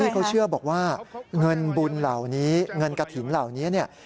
เขาเชื่อบอกว่าเงินบุญเหล่านี้เงินกระถิ่นเหล่านี้เนี่ย